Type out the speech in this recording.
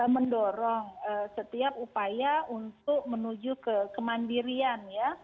mendorong setiap upaya untuk menuju ke kemandirian ya